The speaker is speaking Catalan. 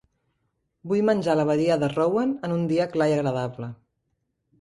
Vull menjar a la badia de Rowan en un dia clar i agradable